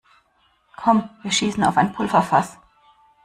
Kommt, wir schießen auf ein Pulverfass!